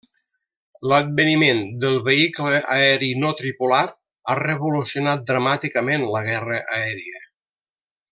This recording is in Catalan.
L'adveniment del vehicle aeri no tripulat ha revolucionat dramàticament la guerra aèria.